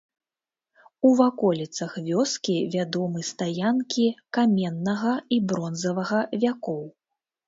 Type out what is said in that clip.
У ваколіцах вёскі вядомы стаянкі каменнага і бронзавага вякоў.